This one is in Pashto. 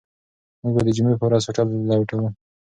موږ به د جمعې په ورځ هوټل لټوو.